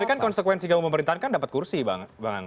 tapi kan konsekuensi kamu pemerintah kan dapat kursi bang